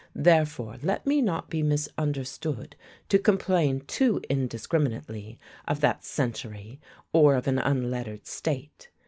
Therefore let me not be misunderstood to complain too indiscriminately of that century or of an unlettered state.